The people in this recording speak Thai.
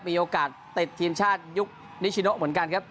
มีโอกาสติดทีมชาติยุคนิชิโนเหมือนกันครับ